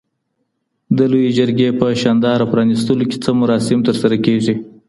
د لويي جرګې په شانداره پرانیستلو کي څه مراسم ترسره کېږي؟